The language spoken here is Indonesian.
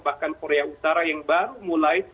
bahkan korea utara yang baru mulai